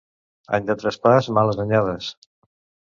Any de traspàs, males anyades.